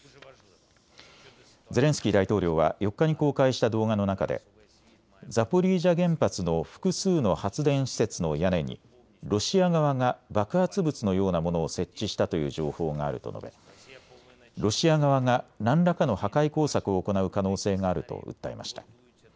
ゼレンスキー大統領は４日に公開した動画の中でザポリージャ原発の複数の発電施設の屋根にロシア側が爆発物のようなものを設置したという情報があると述べ、ロシア側が何らかの破壊工作を行う可能性があると訴えました。